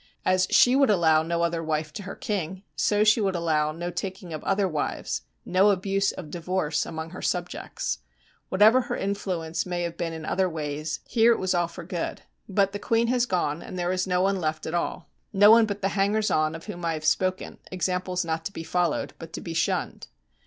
As she would allow no other wife to her king, so she would allow no taking of other wives, no abuse of divorce among her subjects. Whatever her influence may have been in other ways, here it was all for good. But the queen has gone, and there is no one left at all. No one but the hangers on of whom I have spoken, examples not to be followed, but to be shunned.